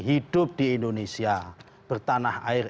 hidup di indonesia bertanah air